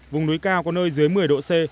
vùng núi cao có nơi dưới một mươi độ c